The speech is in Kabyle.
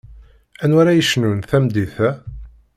Anwa ara yecnun tameddit-a?